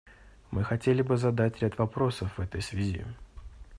Мы хотели бы задать ряд вопросов в этой связи.